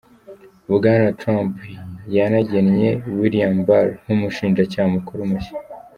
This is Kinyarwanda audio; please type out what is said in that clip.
Bwana Trump yanagennye William Barr nk'umushinjacyaha mukuru mushya.